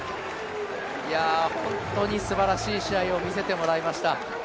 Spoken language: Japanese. いや、本当にすばらしい試合を見せてもらいました。